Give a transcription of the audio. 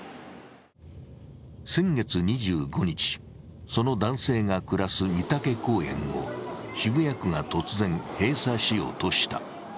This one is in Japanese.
先月２５日、その男性が暮らす美竹公園を渋谷区が突然、閉鎖しようとした。